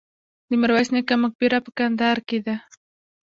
د میرویس نیکه مقبره په کندهار کې ده